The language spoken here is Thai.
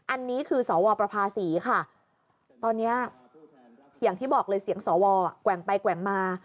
อันนี้คือสวประภาษีค่ะตอนนี้อย่างที่บอกเลยเสียงสวแกว่งไปแกว่งมา